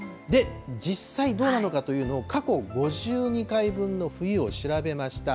実際、どうなのかというのを過去５２回分の冬を調べました。